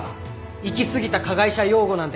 行きすぎた加害者擁護なんて